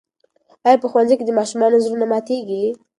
آیا په ښوونځي کې د ماشومانو زړونه ماتېږي؟